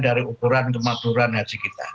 dari ukuran kematuran haji kita